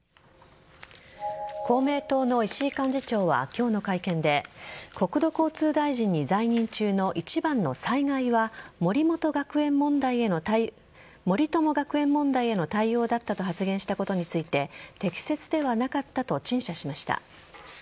公明党の石井幹事長は今日の会見で国土交通大臣に在任中の一番の災害は森友学園問題への対応だったと発言したことについて適切ではなかったと陳謝しました。